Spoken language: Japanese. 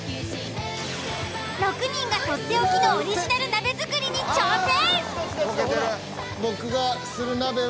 ６人が取って置きのオリジナル鍋作りに挑戦。